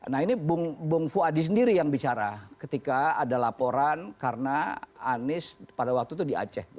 nah ini bung fuadi sendiri yang bicara ketika ada laporan karena anies pada waktu itu di aceh